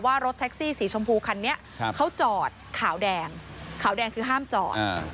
รถแท็กซี่สีชมพูคันนี้เขาจอดขาวแดงขาวแดงคือห้ามจอด